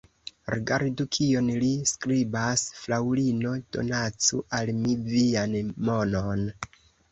Rigardu, kion li skribas: Fraŭlino, donacu al mi vian monon!